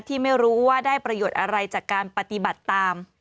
ที่ไม่รู้ว่าได้ประโยชน์อะไรจากการปฏิบัติตาม